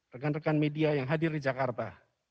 rekan rekan media yang hadir di jakarta